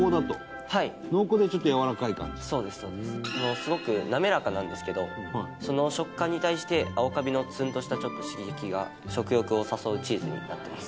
すごく滑らかなんですけどその食感に対して青カビのツーンとしたちょっと刺激が食欲を誘うチーズになってます。